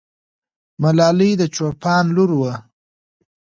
ملالۍ د چوپان لور وه.